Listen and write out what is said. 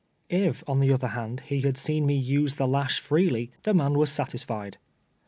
If, on the other hand, he had seen me use the lash freely, the man was satisfied.